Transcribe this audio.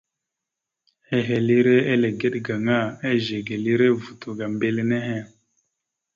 Ehelire eligeɗ gaŋa, ezigelire vuto ga mbile nehe.